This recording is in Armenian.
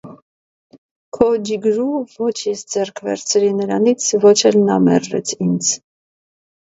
Քո ջիգրու ոչ ես ձեռք վերցրի նրանից, ոչ էլ նա մերժեց ինձ: